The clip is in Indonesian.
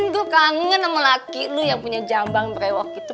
gue kangen sama laki lu yang punya jambang berewok gitu